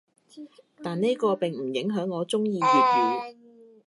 但呢個並唔影響我中意粵語‘